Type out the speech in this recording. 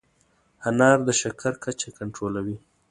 انار د شکر کچه کنټرولوي.